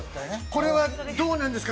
これはどうなんですか。